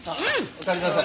おかえりなさい。